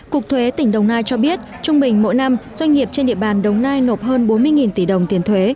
cục thuế tỉnh đồng nai cho biết trung bình mỗi năm doanh nghiệp trên địa bàn đồng nai nộp hơn bốn mươi tỷ đồng tiền thuế